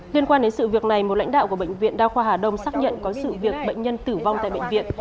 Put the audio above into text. liên quan đến sự việc này một lãnh đạo của bệnh viện đa khoa hà đông xác nhận có sự việc bệnh nhân tử vong tại bệnh viện